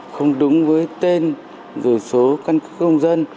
có ba trăm linh đồng một vé